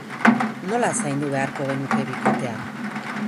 Nola zaindu beharko genuke bikotea?